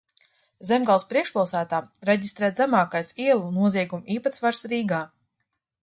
Zemgales priekšpilsētā reģistrēts zemākais ielu noziegumu īpatsvars Rīgā.